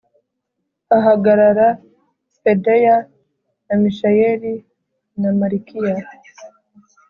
Hahagarara pedaya na mishayeli na malikiya